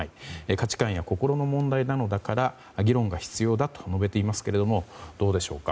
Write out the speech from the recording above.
価値観や心の問題なのだから議論が必要だと述べていますがどうでしょうか。